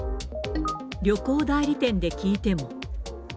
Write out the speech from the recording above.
旅行代理店で聞いても。